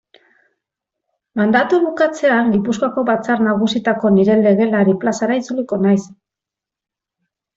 Mandatua bukatzean Gipuzkoako Batzar Nagusietako nire legelari plazara itzuliko naiz.